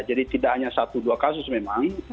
jadi tidak hanya satu dua kasus memang